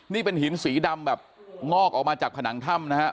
นี่เป็นหินสีดำแบบงอกออกมาจากผนังถ้ำนะฮะ